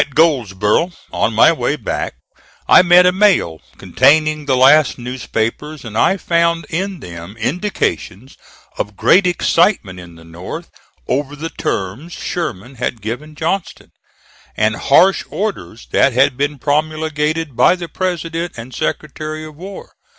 At Goldsboro', on my way back, I met a mail, containing the last newspapers, and I found in them indications of great excitement in the North over the terms Sherman had given Johnston; and harsh orders that had been promulgated by the President and Secretary of War.